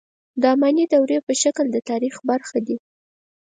د اماني دورې په شکل د تاریخ برخه دي.